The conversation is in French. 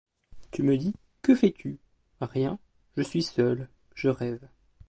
Tu me dis : Que fais-tu ? Rien. Je suis seul. Je rêve.